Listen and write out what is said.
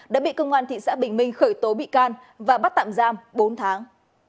đã bị công an thị xã bình minh khởi tố bị can và bắt tạm giam bốn tháng